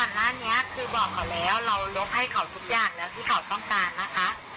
หน้านี้คือบอกเขาแล้วเราลบให้เขาทุกอย่างแล้วที่เขาต้องการนะคะ